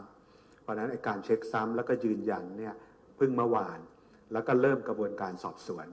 เพราะฉะนั้นการเช็คซ้ำแล้วก็ยืนยันเนี่ยเพิ่งเมื่อวานแล้วก็เริ่มกระบวนการสอบสวน